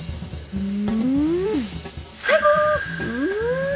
うん